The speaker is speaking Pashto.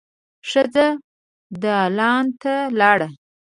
ښځه دالان ته لاړه.